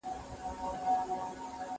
زه پرون کتابونه وړلي!؟